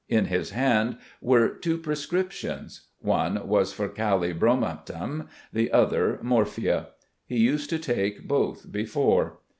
In his hand were two prescriptions. One was for kali bromatum, the other morphia. He used to take both before.